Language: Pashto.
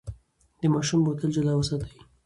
د ماشوم بوتل جلا وساتئ.